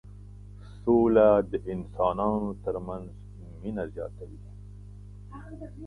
سوله د انسانانو ترمنځ مينه زياتوي.